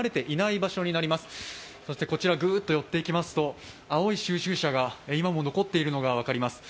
こちらグッと寄っていきますと、青い収集車が今も残っているのが分かります。